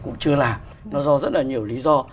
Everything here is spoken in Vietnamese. cũng chưa làm nó do rất là nhiều lý do